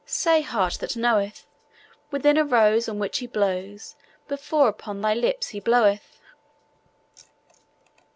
say, heart that knoweth! 'Within a rose on which he blows Before upon thy lips he bloweth!'